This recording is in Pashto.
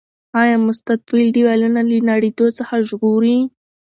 آیا مستطیل دیوالونه له نړیدو څخه ژغوري؟